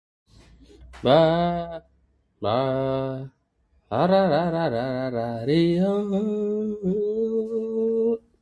The video song also marked the first major breakthrough viral marketing in Sri Lanka.